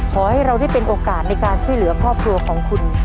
ขอให้เราได้เป็นโอกาสในการช่วยเหลือครอบครัวของคุณ